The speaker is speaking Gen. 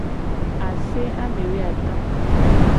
Ase amewoato.